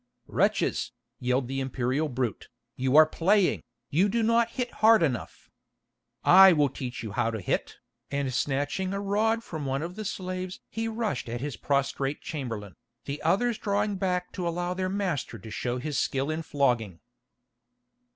"Wretches," yelled the Imperial brute, "you are playing, you do not hit hard enough. I will teach you how to hit," and snatching a rod from one of the slaves he rushed at his prostrate chamberlain, the others drawing back to allow their master to show his skill in flogging.